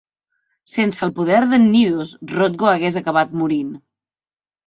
Sense el poder de"n Nidus, Rothgo hagués acabat morint.